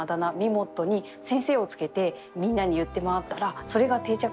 もっとに先生を付けてみんなに言って回ってたらそれが定着してしまいまして。